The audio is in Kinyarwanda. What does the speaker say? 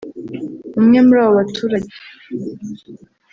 umwe muri abo baturage